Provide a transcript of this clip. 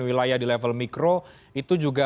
wilayah di level mikro itu juga